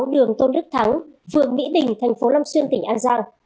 đường tôn đức thắng vườn mỹ bình tp lâm xuyên tỉnh an giang